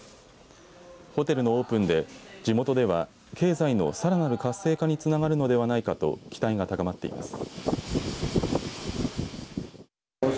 ホテルのオープンで地元では経済のさらなる活性化につながるのではないかと期待が高まっています。